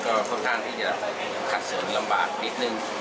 ก็ค่อนข้างที่จะขัดเสริมลำบากนิดนึง